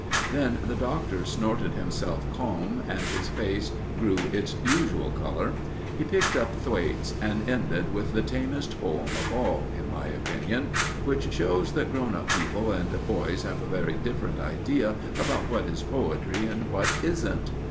Then the Doctor snorted himself calm, and his face grew its usual colour. He picked up Thwaites, and ended with the tamest poem of the lot, in my opinion. Which shows that grown up people and boys have a very different idea about what is poetry and what isn't.